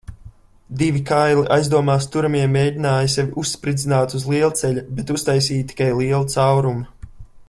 Divi kaili aizdomās turamie mēģināja sevi uzspridzināt uz lielceļa, bet uztaisīja tikai lielu caurumu.